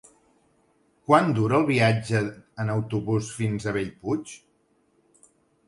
Quant dura el viatge en autobús fins a Bellpuig?